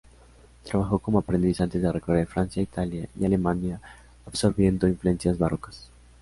Trabajó como aprendiz antes de recorrer Francia, Italia y Alemania absorbiendo influencias barrocas.